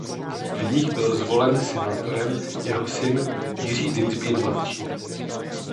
V nich byl zvolen senátorem jeho syn Jiří Dienstbier mladší.